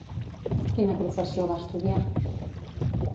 Quina professió va estudiar?